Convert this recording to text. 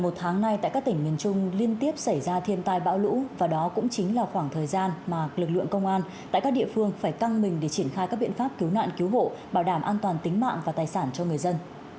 một tháng nay tại các tỉnh miền trung liên tiếp xảy ra thiên tai bão lũ và đó cũng chính là khoảng thời gian mà lực lượng công an tại các địa phương phải căng mình để triển khai các biện pháp cứu nạn cứu hộ bảo đảm an toàn tính mạng và tài sản cho người dân